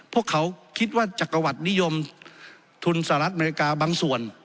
พวกเขาคิดว่าจักรวรรดินิยมทุนสหรัฐอเมริกาบางส่วน